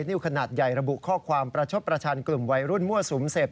นิ้วขนาดใหญ่ระบุข้อความประชดประชันกลุ่มวัยรุ่นมั่วสุมเสพ